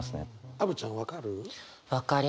アヴちゃん分かる？